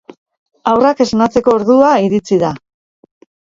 Haurrak esnatzeko ordua iritsi da.